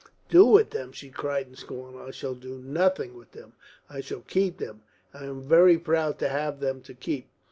"Do with them!" she cried in scorn. "I shall do nothing with them. I shall keep them. I am very proud to have them to keep."